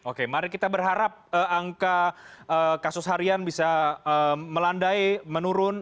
oke mari kita berharap angka kasus harian bisa melandai menurun